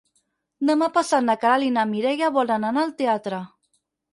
Demà passat na Queralt i na Mireia volen anar al teatre.